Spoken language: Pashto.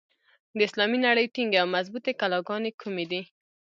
د اسلامي نړۍ ټینګې او مضبوطي کلاګانې کومي دي؟